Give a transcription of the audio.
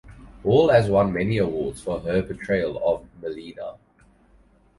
Hall has won many awards for her portrayal of Marlena.